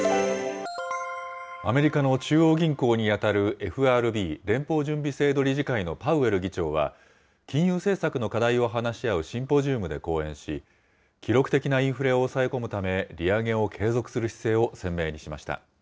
アメリカの中央銀行に当たるＦＲＢ・連邦準備制度理事会のパウエル議長は、金融政策の課題を話し合うシンポジウムで講演し、記録的なインフレを抑え込むため、利上げを継続する姿勢を鮮明にしました。